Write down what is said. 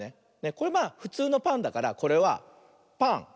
これふつうのパンだからこれは「パン」。